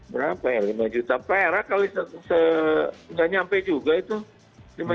berapa ya lima juta perak kali nggak nyampe juga itu